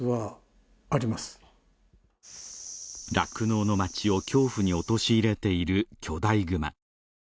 酪農の町を恐怖に陥れている巨大グマ。